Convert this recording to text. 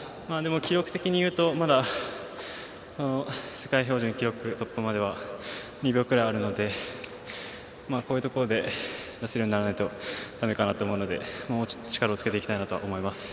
記録的に言うとまだ標準記録突破までは、２秒ぐらいあるのでこういうところで出せるようにならないとだめかなと思うので力をつけていきたいなと思います。